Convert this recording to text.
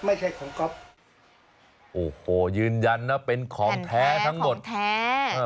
ไม่ใช่ของก๊อฟโอ้โหยืนยันนะเป็นของแท้ทั้งหมดแท้